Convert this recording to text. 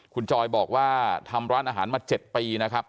คุณจอยบอกว่าทำร้านอาหารมา๗ปีนะครับ